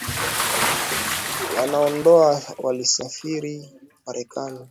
Wanandoa walisafiri marekani